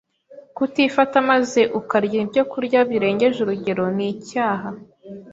Kutifata maze ukarya ibyokurya birengeje urugero ni icyaha,